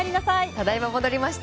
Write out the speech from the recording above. ただいま戻りました。